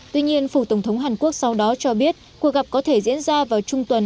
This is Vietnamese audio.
tuy nhiên phủ tổng thống hàn quốc sau đó cho biết cuộc gặp có thể diễn ra vào trung tuần